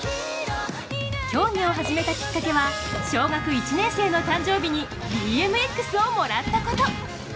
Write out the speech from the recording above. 競技を始めたきっかけは、小学１年生の誕生日にＢＭＸをもらったこと。